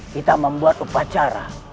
kita membuat upacara